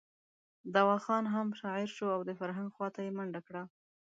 دوا خان هم شاعر شو او د فرهنګ خواته یې منډه کړه.